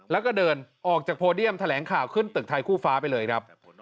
แล้วก็เดินออกจากโพเดียมแถลงข่าวขึ้นตึกไทยคู่ฟ้าไปเลยครับ